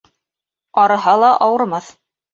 Арыһа ла ауырымаҫ.